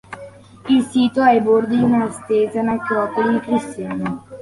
Il sito è ai bordi di una estesa necropoli cristiana.